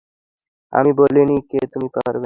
আমি বলিনি যে তুমি পারবেনা।